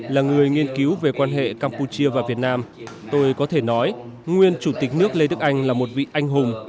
là người nghiên cứu về quan hệ campuchia và việt nam tôi có thể nói nguyên chủ tịch nước lê đức anh là một vị anh hùng